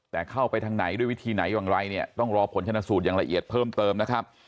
แต่เข้าไปทางไหนด้วยวิธีไหนอย่างไรเนี่ยต้องรอผลชนะสูตรอย่างละเอียดเพิ่มเติมนะครับ